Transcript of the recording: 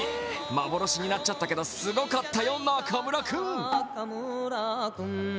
幻になっちゃったけどすごかったよ、中村君！